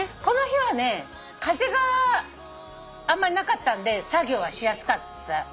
この日はね風があんまりなかったんで作業はしやすかった。